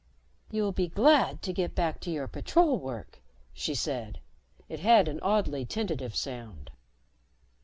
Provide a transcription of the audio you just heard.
"You'll be glad to get back to your patrol work," she said. It had an oddly tentative sound.